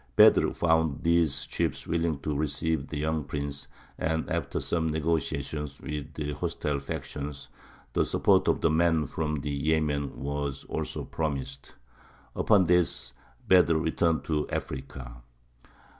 Bedr found these chiefs willing to receive the young prince, and, after some negotiation with the hostile factions, the support of the men from the Yemen was also promised. Upon this Bedr returned to Africa.